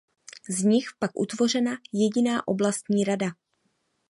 Z nich pak utvořena jediná oblastní rada.